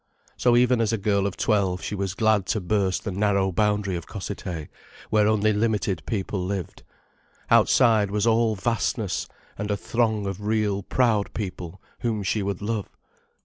So even as a girl of twelve she was glad to burst the narrow boundary of Cossethay, where only limited people lived. Outside, was all vastness, and a throng of real, proud people whom she would love.